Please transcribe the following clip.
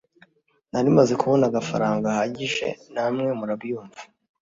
nari maze kubona agafaranga gahagije namwe murabyumva